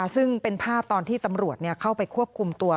ซึ่งเป็นภาพตอนที่ตำรวจเข้าไปควบคุมตัว